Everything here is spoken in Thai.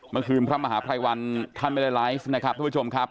พระมหาภัยวันท่านไม่ได้ไลฟ์นะครับทุกผู้ชมครับ